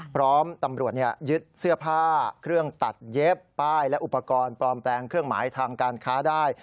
พร้อมตำรวจยึดเสื้อผ้าเครื่องตัดเย็บป้ายและอุปกรณ์ปลอมแปลงเครื่องหมายทางการค้าได้